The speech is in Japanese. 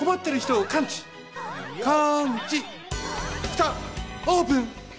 ふたオープン！